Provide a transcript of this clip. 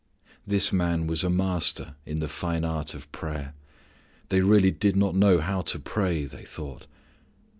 _ This Man was a master in the fine art of prayer. They really did not know how to pray, they thought.